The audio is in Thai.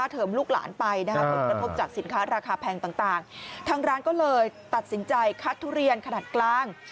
ทั้งร้านก็เลยตัดสินใจคัดทุเรียนขนาดกลาง